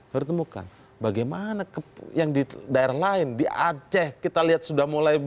baru ditemukan bagaimana yang di daerah lain di aceh kita lihat sudah mulai